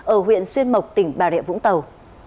ở huyện xuyên mộc tỉnh bà rịa vũng tàu